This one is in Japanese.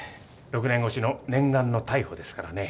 ６年越しの念願の逮捕ですからね。